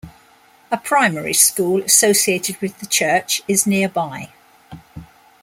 A primary school associated with the church is nearby.